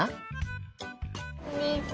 みず。